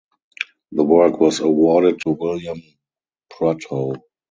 The work was awarded to William Prudhoe.